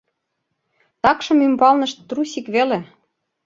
Такшым ӱмбалнышт трусик веле.